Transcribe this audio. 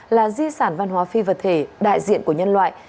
là di sản văn hóa phi vật thể đại diện của nhân loại